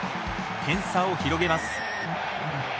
点差を広げます。